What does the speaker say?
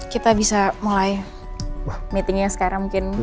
kita bisa mulai meetingnya sekarang mungkin